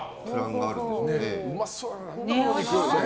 うまそう。